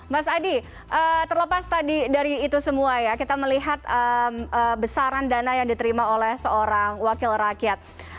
mas adi terlepas tadi dari itu semua ya kita melihat besaran dana yang diterima oleh seorang wakil rakyat